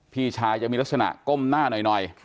พี่ชายยังมีลักษณะก้มหน้าหน่อย